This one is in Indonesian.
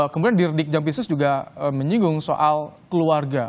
kemudian di redik jam bisnis juga menyinggung soal keluarga